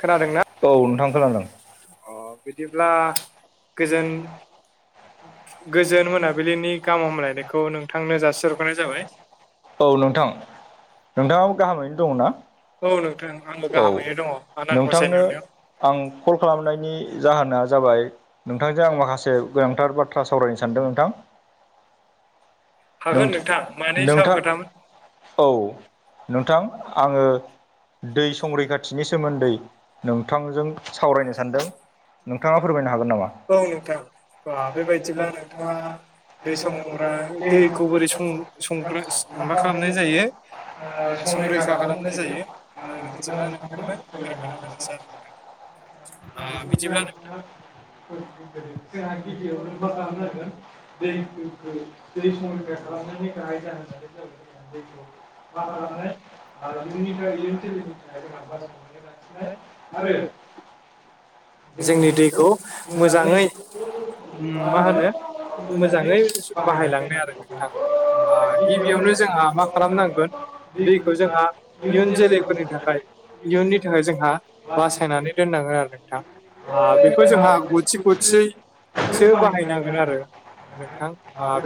खोनादोंना औ नोंथां खोनादों अ बिदिब्ला गोजोन गोजोन मोनाबिलिनि गाहाम हामलायनायखौ नोंथांनो जासिहरखरनाय जाबाय। औ नोंथां नोंथाङाबो गाहामैनो दङ ना औ नोंथां आंबो औ गाहामैनो दङ आनान गसाइनि नोंथांनो अननायाव आं कल खालामनायनि जाहोना जाबाय नोंथांजों आं माखासे गोनांथार बाथ्रा सावरायनो सानदों नोंथां। हागोन नथ नोंथां माने साहा नोंथां खोथामोन औ नोंथां आङो दै संरैखाथिनि सोमोन्दै नोंथांजों सावरायनो सानदों। नोंथाङा फोरमायनो हागोन नामा? औ नोंथां बा बेबायदिब्ला नोंथाङा दै संग्रा दैखौ बोरै सं संग्रा म मा खालामनाय जायो। संरैखा खालामनाय जायो आ बिदिब्ला नोंथांनो फोरमायना [unintelligible] [unintelligible] ओ बिदिब्ला नोंथां जोंहा गिबियावनो ब खालामनांगोन दै मा खालामनाय ओ इयुननि [unintelligible] [unintelligible] आरो जोंनि दैखौ मोजाङै मा होनो मोजाङै बाहायलांनाय आरो नोंथां आ गिबियावनो जोंहा मा खालामनांगोन दैखौ जोंहा इयुन जोलैफोरनि थाखाय इयुननि थाखाय जोंहा बासायनानै दोननाङो आरो नोंथां आ बेखौ जोंहा गथि गथियै सो बाहायनांगोन आरो नोंथां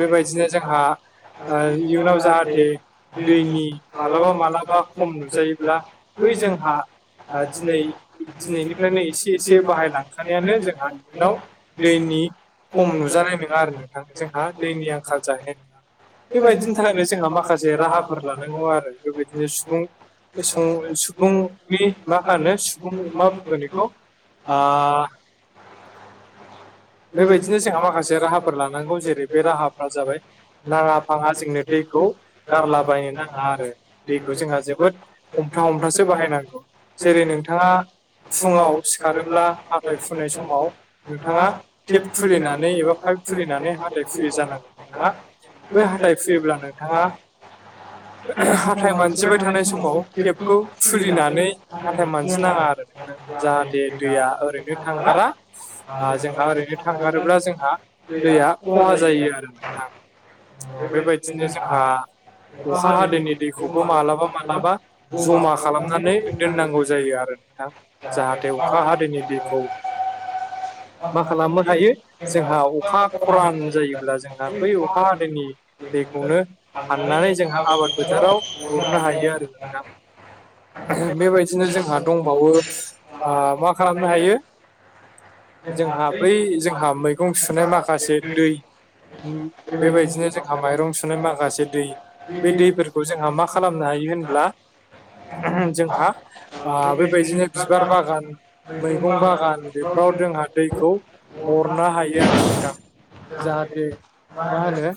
बेबायदिनो जोंहा ओ इयुनाव जाहाथे दैनि मालाबा मालाबा खम नुजायोब्ला बै जोंहा दिनै दिनैनिफ्रायनो एसे एसे बाहायलांखानायानो जोंहा इयुनाव दैनि खम नुजानाय नङा आरो नोंथां जोंहा दैनि आंखाल जाहैनाय बेबायदिनि थाखायनो जोंहा माखासे राहाफोर लानांगौ आरो बेबायदिनो सुबुं बे सुबुंनि माहानो सुबुं मा बुंगोन बेखौ आ [inaudible] बेबायदिनो जोंहा माखासे राहाफोर लानांगौ जेरै बे राहाफ्रा जाबाय नाङा फाङा जोंनो दैखौ गारला बायनो नाङा आरो दैखौ जोंहा जोबोद हमथा हमथासो बाहायनांगौ जेरै नोंथाङा फुङाव सिखारोब्ला हाथाय हुनाय समाव नोंथाङा टेप खुलिनानै एबा फाइप खुलिनानै हाथाय हुयो जानांगौ नोंथाङा बै हाथाय हुयोब्ला नोंथाङा हाथाय मानजिबाय थानाय समाव टेपखौ खुलिनानै हाथाय मानजि नाङा आरो नोंथां जाहाथे दैया ओरैनो थांगारा आ जोंहा ओरैनो थांगारोब्ला जोंहा दैया खहा जायो आरो नोंथां बेबायदिनो जोंहा अखा हादोरनि दैखौबो मालाबा मालाबा जमा खालामनानै दोननांगौ जायो आरो नोंथां जाहाथे अखा हादैनि दैखौ [inaudible] मा खालामनो हायो जोंहा अखा खरान जायोब्ला जोंहा बै अखा हादैनि दैखौनो हाननानै जोंहा आबाद फोथाराव हरनो हायो आरो नोंथां बेबायदिनो जोंहा दंबावो आ मा खालामनो हायो जोंहा बै जोंहा मैगं सुनाय माखासे दै बेबायदिनो जों जोंहा माइरं सुनाय माखासे दै बे दैफोरखौ जोंहा मा खालामनो हायो होनब्ला जोंहा आ बेबायदिनो बिबार बागान मैगं बागान बेफोराव जोंहा दैखौ अरनो हायो आरो नोंथां जाहाथे मा होनो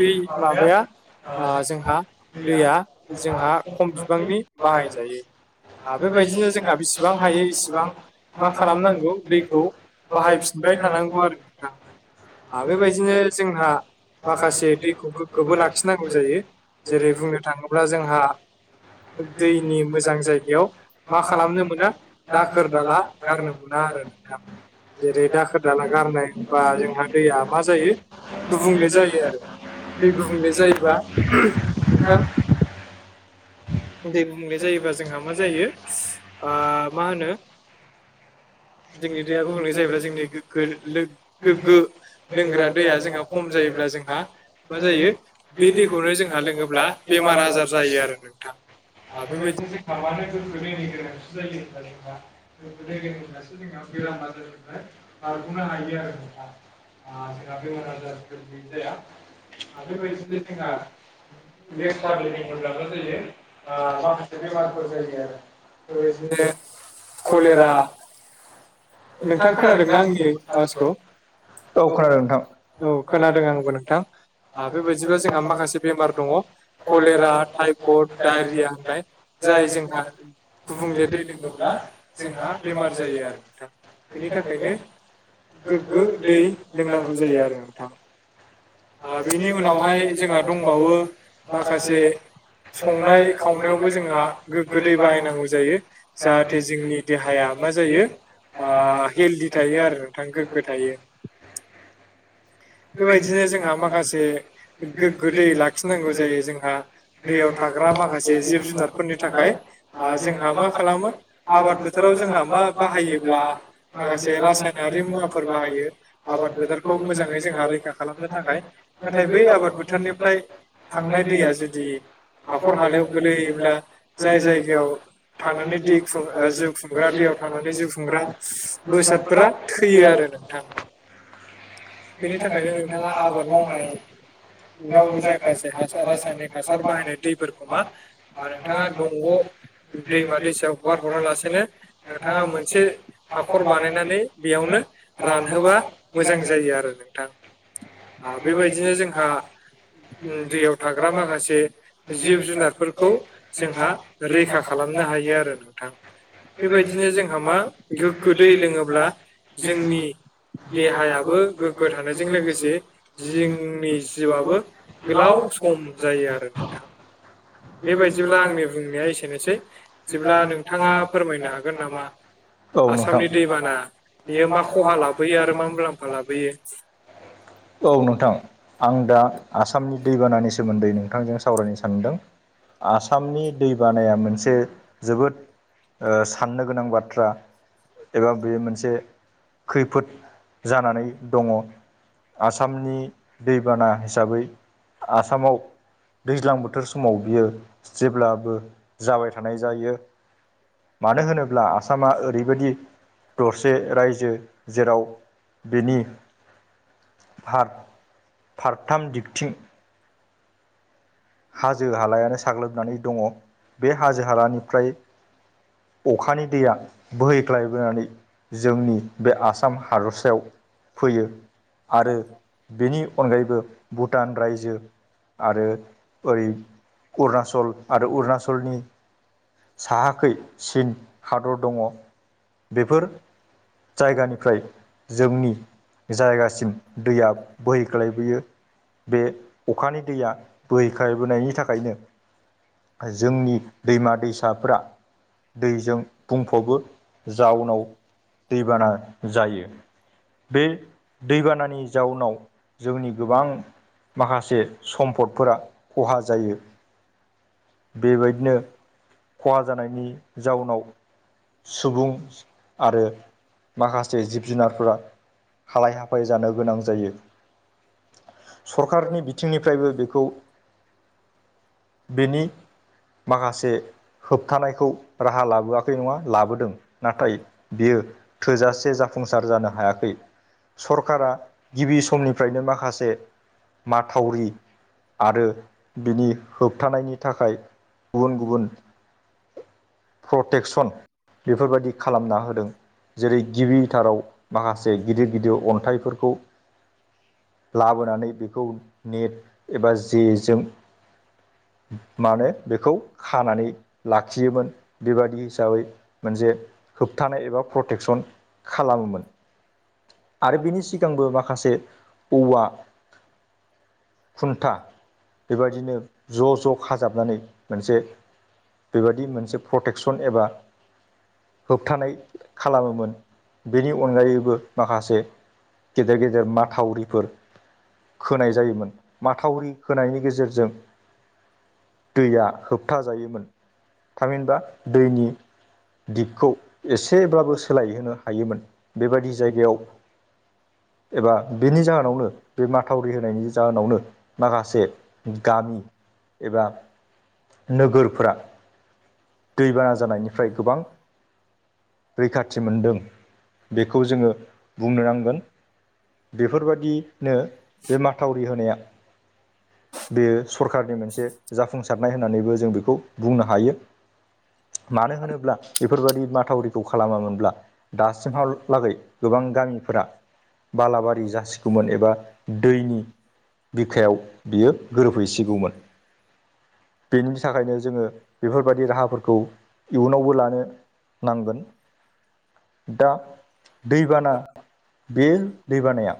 दै माबाया ओ जोंहा दैया [unintelligible] जोंहा खम बिबांनि बाहायजायो [unintelligible] बेबायदिनो जोंहा बेसेबां हायो एसेबां मा खालामनांगौ दैखौ बाहायफिनबाय थानांगौ आरो नोंथा आ बेबायदिनो जोंहा माखासे दैखौ गोगोबो लाखिनांगौ जायो जेरै बुंनो थाङोब्ला जोंहा दैनि मोजां जायगायाव मा खालामनो मोनो दाखोर दाला गारनो मोना आरो नोंथां जेरै दाखोर दाला गारनाय बा जोंहा दैया मा जायो गुबुंले जायो आरो दै गुबुंले जायोबा नोंथां दै गुबुंले जायोबा जोंहा मा जायो आ मा होनो जोंनि दैया गुबुंले जायोब्ला जोंनि गोगो लो गोगो लोंग्रा दैया जोंहा खम जायोब्ला जोंहा मा जायो बे दैखौनो जोंहा लोङोब्ला बेमार आजार जायो आरो नोंथां आ बेबायदि [unintelligible] जों बेराम आजारफ्राय बारगनो हायो आरो नोंथां। आ जोंहा बेराम आजार बिदि जाया। आरो बेबायदिनो जोंहा बेबायदिनो लेथ्रा जोंहा दै लोंब्ला लेथ्रा दैजों मा जायो? ओ माखासे बेमारफोर जायो बेबायदिनो कलेरा नोंथां खोनादोंना आंनि आवाजखौ? औ खोनादों औ खोनादों आंबो नोंथां। आ बेबायाददिबा जोंहा माखासे बेमार दङ कलेरा टाइफयेड डायरिया होननाय जाय जोंहा गुबुंले दै लोङोब्ला जोंहा बेमार जायो आरो। नोंथां बिनि थाखायनो गोग्गे दै लोंनांगौ जायो आरो। बेनि उनावहाय जोंहा दंबावो माखासे संनाय खावनायावबो जोंहा गोग गोदै बाहायनांगौ जायो जाहाथे जोंनि देहाया मा जायो? ओ हेल्दि थायो आरो नोंथां गोग्गो थायो। बेफोरबायदिनो जोंहा माखासे से गोग्गो दै लाखिनांगौ जायो जोंहा दैयाव थाग्रा माखासे जिब जुनारफोरनि थाखाय आ जोंहा मा खालामो? आबाद फोथोराव जोंहा मा बाहायोब्ला माखासे रासायनारि मुवाफोर बाहायो। आबाद फोथारखौ मोजाङै जोंहा रैखा खालामनो थाखाय नाथाय बै आबाद फोथारनिफ्राय थांनाय दैया जुदि हाखर हालायाव गोलैयोब्ला जाय जायगायाव थांनानै दै खुं जिउ खुं खुंग्रा दैयाव थानानै जिउ खुंग्रा बेसादफोरा थैयो आरो नोंथां। बेनि थाखायनो नोंथाङा आबाद मावनानै जा जायाखासे हासार रासायनिक हासार बाहायनाय दैफोरखौ मा नोंथाङा दंग' दैमा दैसायाव हगार हरालासेनो नोंथाङा मोनसे हाखर बानायनानै बेयावनो रानहोबा मोजां जायो आरो नोंथां। ओ बेबादिनो बेबायदिनो जोंहा जोंहा उम दैयाव [unintelligible] थाग्रा माखासे जिउ जिब जुनारफोरखौ जोंहा रैखा [unintelligible] खालामनो हायो आरो नोंथां बेबायदिनो जोंहा जेनबा मा गोग्गो गुबुंले दै लोंब्ला लोङोब्ला जोंनि देहायाबो गोग्गो जों लोगोसे जिंनि जिउआबो गोलाव सम जायो आरो नोंथां। बेबायदिब्ला आंनि बुंनाया एसेनोसै जेब्ला नोंथाङा फोरमायनो हागोन नामा? औ नोंथां आसामनि दैबाना बेयो मा खहा लाबोैयो आरो मा मुलाम्फा लाबोयो? औ नोंथां। आं दा आसामनि दैबानानि सोमोन्दै नोंथांजों सावरायनो सानदों। आसामनि दैबानाया मोनसे जोबोद ओ साननो गोनां बाथ्रा। एबा बे मोनसे खैफोद जानानै दङ। आसामनि दैबाना हिसाबै आसामाव दैज्लां बोथोर समाव बियो जेब्लाबो जाबाय थानाय जायो मानो होनोब्ला आसामा ओरैबायदि दसे रायजो जेराव बिनि फार फारथाम दिगथिं हाजो हालायानो साग्लोबनानै दङ बे हाजो हालानिफ्राय अखानि दैया बोहैग्लायबोनानै जोंनि बे आसाम हादरसायाव फैयो। आरो बेनि अनगायैबो भुटान रायजो आरो। ओरै अरुनाचल आरो अरुनााचलनि साहाखै चीन हादर दङ। बेफोर जायगानिफ्राय जोंनि जायगासिम दैया बोहैख्लायबोयो। बे अखानि दै नाफ्राय‌ ओंखारबोनायनि थाखायनो जोंनि दैमा दैसाफ्रा दैजों बुंफावबो जाउनाव दैबाना जायो। बे दैबानानि जाउनाव जोंनि गोबां माखासे सम्पदफोरा खहा जायो। बे बायदिनो खहा जानायनि जाउनाव सुबुं आरो माखासे जिब जुनारफोरा हालाय हाफाय जानो गोनां जायो। सरखारनि बिथिंनिफ्रायबो बेखौ बेनि माखासे होबथानायखौ राहा लाबोआखै नङा लाबोदों। नाथाय बियो थोजासे जाफुंसार जानो हायाखै। सरकारा गिबि समनिफ्रायनो माखासे माथावरि आरो बिनि होबथानायनि थाखाय गुबुन गुबुन प्रटेकसन बेफोरबायदि खालामना होदों। जेरै- गिबिथाराव माखासे गिदिर गिदिर अन्थाइफोरखौ लाबोनानै बेखौ नेट एबा जेजों मानो बेखौ खानानै लाखियोमोन। बे बादि हिसाबै मोनसे होबथानाय एबा प्रटेकसन खालामोमोन। आरो बेनि सिगांबो माखासे औवा खुन्था। बे बायदिनो ज' ज' खाजाबनानै मोनसे बे बायदि मोनसे प्रटेकसन एबा होबथानाय खालामोमोन। बेनि अनगायैबो माखासे गेदेर गेदेर माथावरिफोर खोनाय जायोमोन। माथावरि होनायनि गेजेरजों दैया होबथा जायोमोन। थामहिनबा दैनि दिगखौ एसेब्लाबो सोलायहोनो हायोमोन। बेबायदि जायगायाव एबा बेनि जाहोनावनो बे माथावरि होनायनि जाहोनावनो। माखासे गामि एबा नोगोरफोरा दैबाना जानायनिफ्राय गोबां रैखाथि मोनदों बेखौ जोङो बुंनो नांगोन। बेफोरबादिनो बे माथावरि होनाया बेयो सरखारारनि मोनसे जाफुंसारनाय होननानैबो जों बेखौ बुंनो हायो। मानो होनोब्ला बेफोरबायाददि माथावरिखौ खालामामोनब्ला दासिमहालागै गोबां गामिफोरा बालाबारि जासिगौमोन एबा दैनि बिखायाव बियो गोरोबहैसिगौमोन। बेनि थाखायनो जोङो बेफोरबायदि राहाफोरखौ इयुनावबो लानो नांगोन। दा दैबाना बे दैबानाया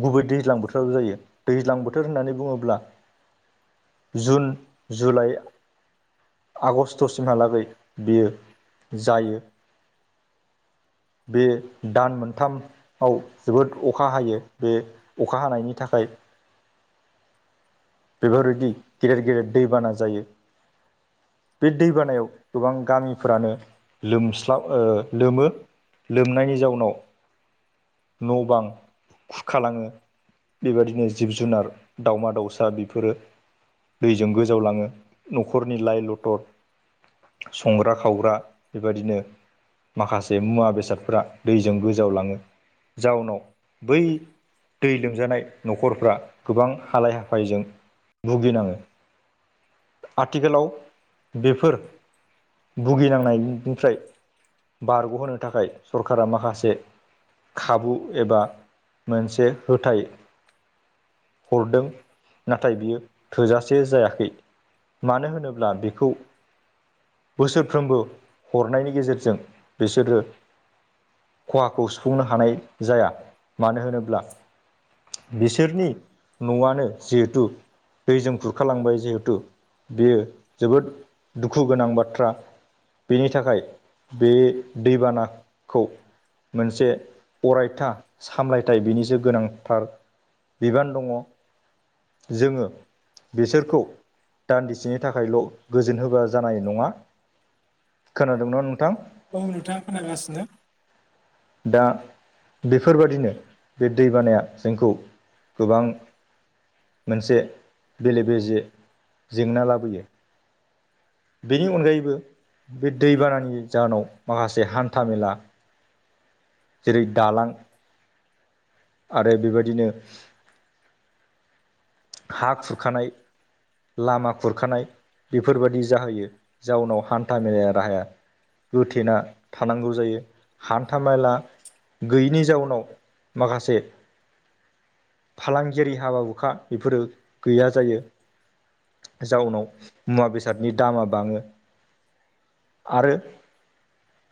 गुबै दैज्लां बोथोरावो जायो। दैज्लां बोथोर होननानै बुङोब्ला जुन, जुलाइ आगसथ सिमहालागै बियो जायो। बे दान मोनथाम आव जोबोद अखा हायो। बे अखा हानायनि थाखाय बेफोरबायदि गेदेर गेदेर दैबाना जायो। बे दैबानायाव गोबां गामिफोरानो लोमस्लाब लोमो। लोमनायनि जाउनाव न' बां खुरखालाङो। बेबादिनो जिब-जुनार, दाउमा-दाउसा बेफोरो दैजों गोजावलाङो न'खरनि लाइ-लथर संग्रा- खावग्रा बेबायदिनो माखासे मुवा-बेसादफोरा दैजों गोजावलाङो। जाउनाव बै दै लोमजानाय न'खरफ्रा गोबां हालाय-हाफायजों भुगिनाङो आथिखालाव बेफोर भुगिनांनायनिफ्राय बारग'होनो थाखाय सरकारा माखासे खाबु एबा मोनसे होथाय हरदों नाथाय बियो थोजासे जायाखै। मानो होनोब्ला बेखौ बोसोरफ्रोमबो हरनायनि गेजेरजों बिसोरो खहाखौ सुफुंनो हानाय जाया। मानो होनोब्ला बिसोरनि न'वानो जिहेतु दैजों खुरखालांबाय जिहेतु बेयो जोबोद दुखु गोनां बाथ्रा। बेनि थाखाय बे दैबानाखौ मोनसे अरायथा सामलायथाय बिनिसो गोनांथार बिबान दङ' जोङो बिसोरखौ दान्दिसेनि थाखायल' गोजोन होब्ला जानाय नङा। खोनादं ना नोंथां? औ नोंथाङा खोनागासिनो दा बेफोर बादिनो बे दैबानाया जोंखौ गोबां मोनसे बेले- बेजे जेंना लाबोयो। बेनि अनगायैबो बे दैबानानि जाहोनाव माखासे हान्था-मेला जेरै दालां आरो बेबायदिनो हा खुरखानाय लामा खुरखानाय बेफोर बादि जाहैयो जाउनाव हान्था मेलाया राहाया गोथेना थानांगौ जायो हान्था मेला-गैयिनि जाउनाव माखासे फालांगियारि हाबा- हुखा बेफोरो गैया जायो। जाउनाव मुवा-बेसादनि दामा बाङो। आरो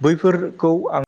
बैफोरखौ आं